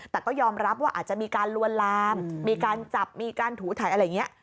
แต่ก็ยอมรับว่าอาจจะมีการลวนลามมีการจับมีการถูถ่ายอะไรอย่างนี้